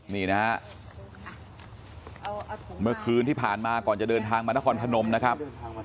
นี่นะฮะเมื่อคืนที่ผ่านมาก่อนจะเดินทางมานครพนมนะครับ